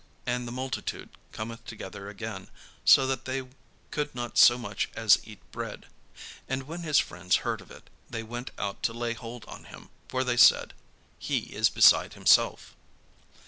And the multitude cometh together again, so that they could not so much as eat bread. And when his friends heard of it, they went out to lay hold on him: for they said: "He is beside himself."